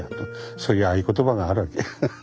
そういう合言葉があるわけ。